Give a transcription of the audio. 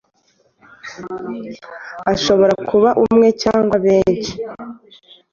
Ashobora kuba umwe cyangwa benshi.